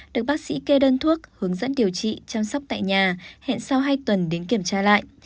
được bác sĩ kê đơn thuốc hướng dẫn điều trị chăm sóc tại nhà hẹn sau hai tuần đến kiểm tra lại